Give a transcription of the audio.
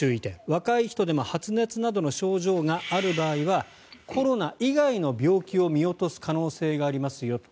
若い人でも発熱などの症状がある場合はコロナ以外の病気を見落とす可能性がありますよと。